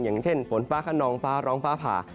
อย่างเช่นฝนฟ้าขนองฟ้าร้องฟ้าผ่า